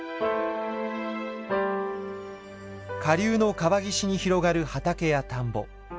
下流の川岸に広がる畑や田んぼ。